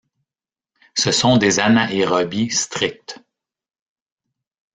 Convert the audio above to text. Ce sont des anaérobies strictes.